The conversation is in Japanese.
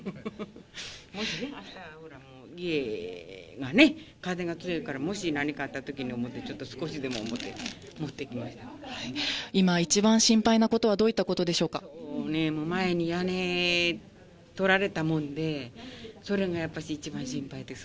もしね、あした、家が、風が強いから、もし何かあったときはと思って、ちょっと少しでもと思って、今、一番心配なことはどうい前に屋根取られたもんで、それがやっぱし、一番心配です。